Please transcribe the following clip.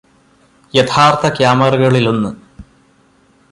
യഥാര്ഥ ക്യാമറകളിലൊന്ന്